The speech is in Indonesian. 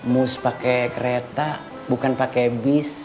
most pakai kereta bukan pakai bis